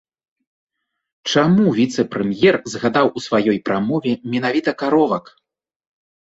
Чаму віцэ-прэм'ер згадаў у сваёй прамове менавіта каровак?